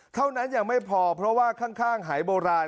เท่านั้นยังไม่พอเพราะว่าข้างหายโบราณ